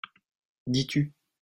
Dis-tu.